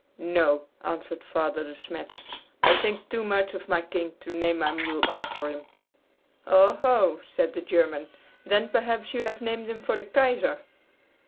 "No," answered Father De Smet, "I think too much of my King to name my mule after him." "Oh, ho!" said the German; "then perhaps you have named him for the Kaiser!"